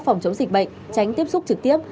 phòng chống dịch bệnh tránh tiếp xúc trực tiếp